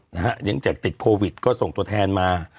นะฮะยังแต่ติดโควิดก็ส่งตัวแทนมา